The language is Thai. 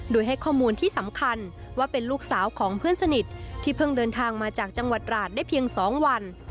โดยให้ข้อมูลที่สำคัญว่าเป็นลูกสาวของเพื่อนสนิทที่เพิ่งเดินทางมาจากจังหวัดราชได้เพียง๒วัน